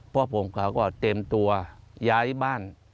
พ่อผมก็เต็มตัวย้ายบ้าน